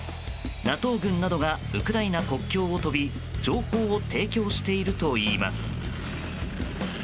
ＮＡＴＯ軍などがウクライナ国境を飛び情報を提供しているといいます。